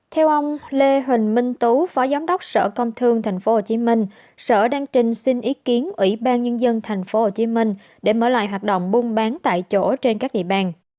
theo ông lê huỳnh minh tú phó giám đốc sở công thương tp hcm sở đang trình xin ý kiến ủy ban nhân dân tp hcm để mở lại hoạt động buôn bán tại chỗ trên các địa bàn